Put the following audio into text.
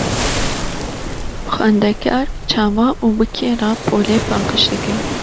Xwendekar çawa û bi kê re polê paqij dikin?